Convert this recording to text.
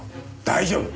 大丈夫！